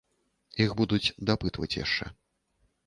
Іх будуць дапытваць яшчэ.